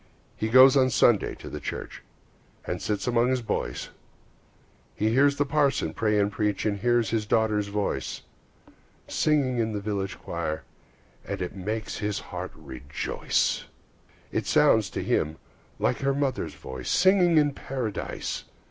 He goes on Sunday to the church, And sits among his boys; He hears the parson pray and preach, He hears his daughter's voice, Singing in the village choir, And it makes his heart rejoice. It sounds to him like her mother's voice, Singing in Paradise!